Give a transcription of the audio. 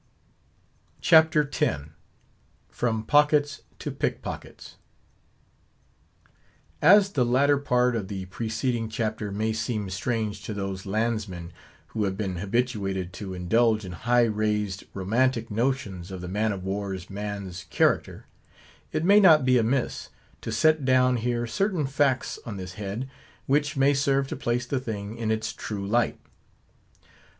CHAPTER X. FROM POCKETS TO PICKPOCKETS. As the latter part of the preceding chapter may seem strange to those landsmen, who have been habituated to indulge in high raised, romantic notions of the man of war's man's character; it may not be amiss, to set down here certain facts on this head, which may serve to place the thing in its true light.